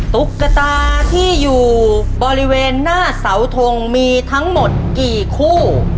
ตุ๊กตาที่อยู่บริเวณหน้าเสาทงมีทั้งหมดกี่คู่